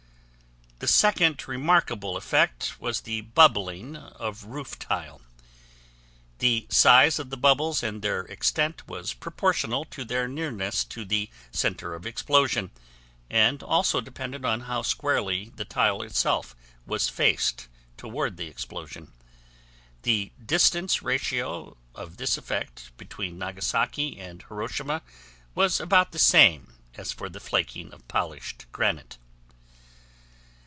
The second remarkable effect was the bubbling of roof tile. The size of the bubbles and their extent was proportional to their nearness to the center of explosion and also depended on how squarely the tile itself was faced toward the explosion. The distance ratio of this effect between Nagasaki and Hiroshima was about the same as for the flaking of polished granite.